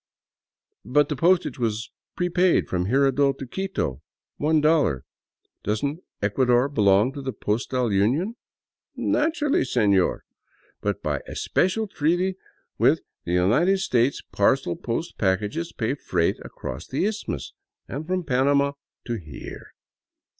" But the postage was prepaid from Jirardot to Quito — one dol lar. Doesn't Ecuador belong to the Postal Union?" " Naturally, senor, but by a special treaty with the United States parcel post packages pay freight across the Isthmus, and from Panama to here."